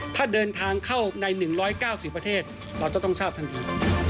ถ้าเดินทางเข้าใน๑๙๐ประเทศเราจะต้องทราบทันที